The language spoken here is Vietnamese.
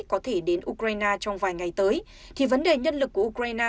có thể đến ukraine trong vài ngày tới thì vấn đề nhân lực của ukraine